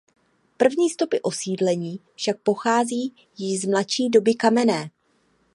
První stopy osídlení však pochází již z mladší doby kamenné.